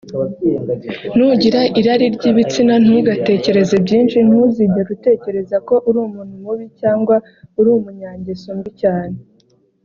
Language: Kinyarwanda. nugira irari ry’ibitsina ntugatekereze byinshi ntuzigere utekereza ko uri umuntu mubi cyangwa uri umunyangeso mbi cyane